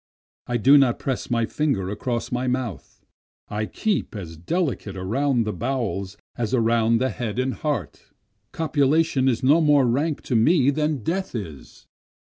I do not press my fingers across my mouth, I keep as delicate around the bowels as around the head and heart, Copulation is no more rank to me than death is.